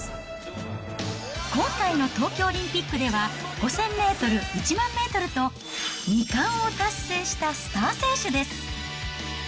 今回の東京オリンピックでは、５０００メートル、１００００メートルと、２冠を達成したスター選手です。